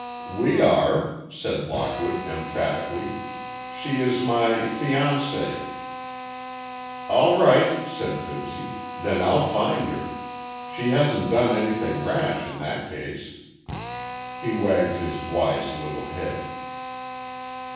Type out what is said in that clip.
"We are," said Lockwood, emphatically. "She is my fiancee—" "All right," said Fibsy, "then I'll find her. She hasn't done anything rash, in that case." He wagged his wise little head.